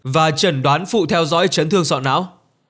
và trần đoán phụ theo dõi chấn thương sọ não